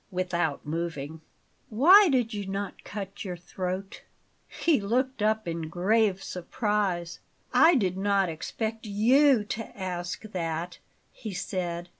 without moving. "Why did you not cut your throat?" He looked up in grave surprise. "I did not expect YOU to ask that," he said.